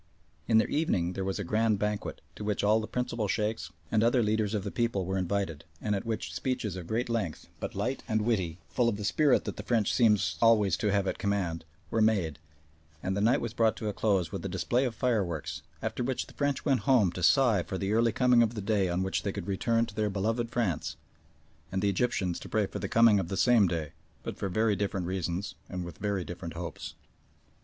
In the evening there was a grand banquet, to which all the principal Sheiks and other leaders of the people were invited, and at which speeches of great length, but light and witty, full of the spirit that the French seem always to have at command, were made, and the night was brought to a close with a display of fireworks, after which the French went home to sigh for the early coming of the day on which they could return to their beloved France, and the Egyptians to pray for the coming of that same day, but for very different reasons and with very different hopes.